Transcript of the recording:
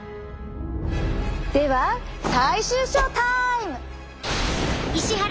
では最終ショータイム！